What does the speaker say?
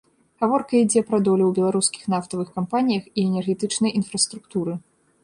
Гаворка ідзе пра долю ў беларускіх нафтавых кампаніях і энергетычнай інфраструктуры.